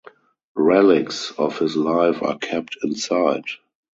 Relics of his life are kept inside.